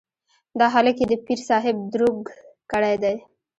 دا هلک يې د پير صاحب دروږ کړی دی.